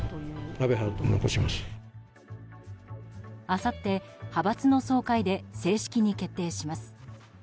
あさって、派閥の総会で正式に決定します。